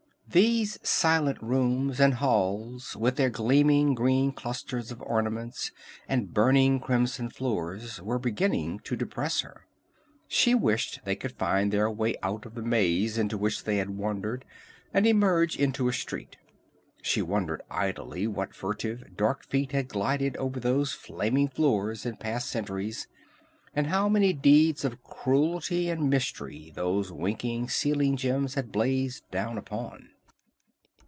These silent rooms and halls with their gleaming green clusters of ornaments and burning crimson floors were beginning to depress her. She wished they could find their way out of the maze into which they had wandered and emerge into a street. She wondered idly what furtive, dark feet had glided over those flaming floors in past centuries, how many deeds of cruelty and mystery those winking ceiling gems had blazed down upon.